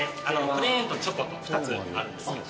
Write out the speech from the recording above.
プレーンとチョコと２つあるんですけど。